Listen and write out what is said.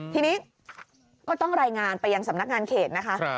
ทีนี้ก็ต้องรายงานไปยังสำนักงานเขตนะคะ